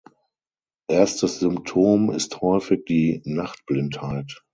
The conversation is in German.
Erstes Symptom ist häufig die Nachtblindheit.